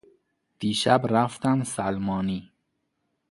دیشب رفتم سلمانی.